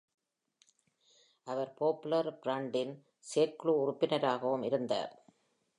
அவர் popular ஃப்ரண்டின் செயற்குழு உறுப்பினராகவும் இருந்தார்.